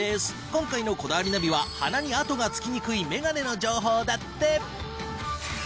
今回の『こだわりナビ』は鼻に跡がつきにくいメガネの情報だって！